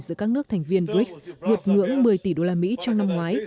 giữa các nước thành viên brics hiệp ngưỡng một mươi tỷ đô la mỹ trong năm ngoái